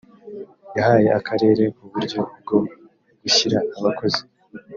yahaye akarere uburyo bwo gushyira abakozi